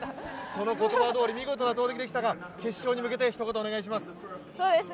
その言葉どおり、見事な投てきでしたが決勝に向けてひと言、お願いします。